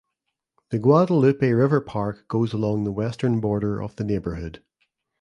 The Guadalupe River Park goes along the western border of the neighborhood.